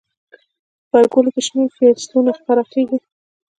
غبرګولی کې شنه فصلونه پراخیږي.